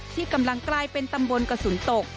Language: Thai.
ที่กำลังกลายเป็นตำบลกระสุนตก